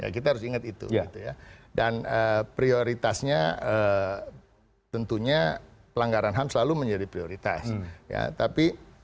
kita harus ingat itu dan prioritasnya tentunya pelanggaran ham selalu menjadi prioritas ya tapi